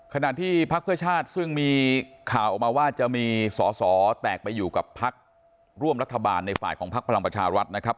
ขณะที่พักเพื่อชาติซึ่งมีข่าวออกมาว่าจะมีสอสอแตกไปอยู่กับพักร่วมรัฐบาลในฝ่ายของพักพลังประชารัฐนะครับ